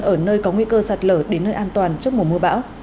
ở nơi có nguy cơ sạt lở đến nơi an toàn trước mùa mưa bão